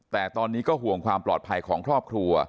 แต่ตอนนี้ก็ห่วงความปลอดภัยของครอบครัว